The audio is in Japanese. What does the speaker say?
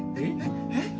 えっ？